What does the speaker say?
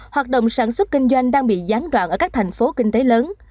hoạt động sản xuất kinh doanh đang bị gián đoạn ở các thành phố kinh tế lớn